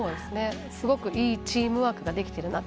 すごくいいチームワークができてるなと。